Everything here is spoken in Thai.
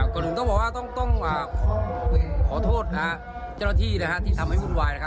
ก่อนอื่นต้องบอกว่าต้องขอโทษเจ้าหน้าที่ที่ทำให้วุ่นวายนะครับ